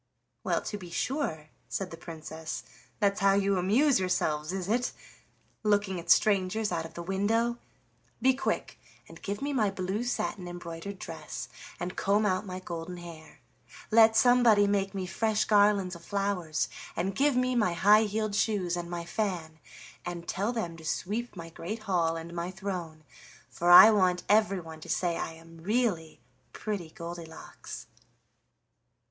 "Well to be sure," said the Princess, "that's how you amuse yourselves, is it? Looking at strangers out of the window! Be quick and give me my blue satin embroidered dress, and comb out my golden hair. Let somebody make me fresh garlands of flowers, and give me my high heeled shoes and my fan, and tell them to sweep my great hall and my throne, for I want everyone to say I am really 'Pretty Goldilocks.